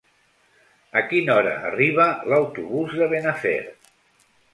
A quina hora arriba l'autobús de Benafer?